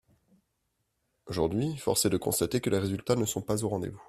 Aujourd’hui, force est de constater que les résultats ne sont pas au rendez-vous.